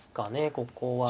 ここは。